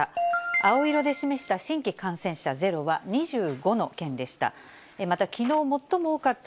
青色で示した新規感染者ゼロは、２５の県でした。